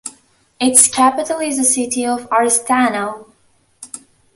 Its capital is the city of Oristano.